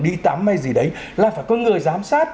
đi tắm hay gì đấy là phải có người giám sát